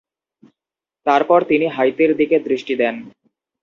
তারপর তিনি হাইতির দিকে দৃষ্টি দেন।